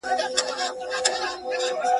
بده ښځه تنگه موچڼه ده.